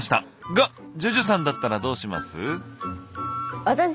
がＪＵＪＵさんだったらどうします？